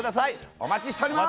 お待ちしております！